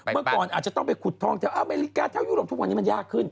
เมื่อก่อนอาจจะต้องไปขุดทองแถวอเมริกาแถวยุโรปทุกวันนี้มันยากขึ้น